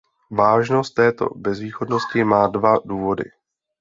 Vážnost této bezvýchodnosti má dva důvody.